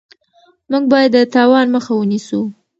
موږ باید د تاوان مخه ونیسو.